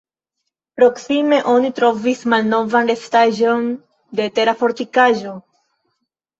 Proksime oni trovis malnovan restaĵon de tera fortikaĵo.